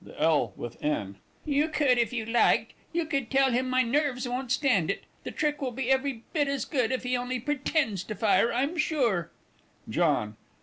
THE L. WITH N. You could if you liked you could tell him my nerves won't stand it the trick will be every bit as good if he only pretends to fire, I'm sure. JOHN.